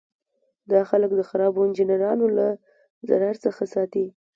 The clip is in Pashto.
دا خلک د خرابو انجینرانو له ضرر څخه ساتي.